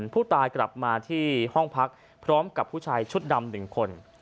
ผู้ตายกลับมาที่ห้องพักพร้อมกับผู้ชายชุดดำ๑คน